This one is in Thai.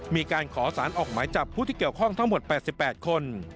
มีการขอสารออกหมายจับผู้ที่เกี่ยวข้องทั้งหมด๘๘คน